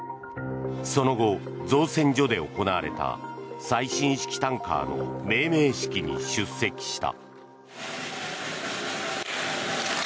その後、造船所で行われた最新式タンカーの命名式に出席した。